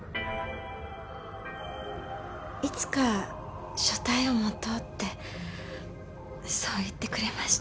「いつか所帯を持とう」ってそう言ってくれました。